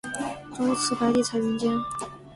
朝辞白帝彩云间